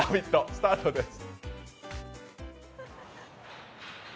スタートです。